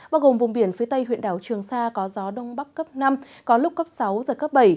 bao gồm vùng biển phía tây huyện đảo trường sa có gió đông bắc cấp năm có lúc cấp sáu giật cấp bảy